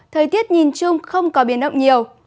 thời tiết nhìn chung không có biển động nhiều